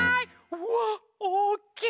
うわおおきい。